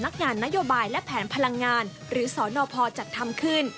ขายและแผนพลังงานหรือสอนอพอร์จัดทำขึ้น